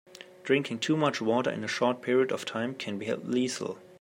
Drinking too much water in a short period of time can be lethal.